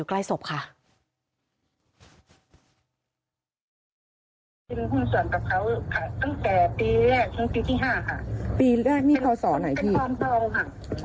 ค่ะตั้งแต่ปีแรกตั้งปีที่ห้าค่ะปีแรกนี่พอสอไหนพี่ออมทองค่ะ